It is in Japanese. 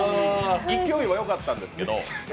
勢いはよかったんですけど。